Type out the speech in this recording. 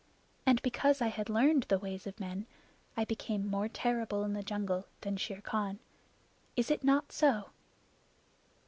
And because I had learned the ways of men, I became more terrible in the jungle than Shere Khan. Is it not so?"